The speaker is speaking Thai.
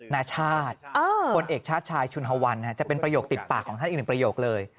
นาชาติพลเอกชาติชายชุนฮวันจะเป็นประโยคติดปากของท่านอีกหนึ่งประโยคเลย